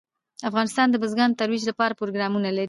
افغانستان د بزګان د ترویج لپاره پروګرامونه لري.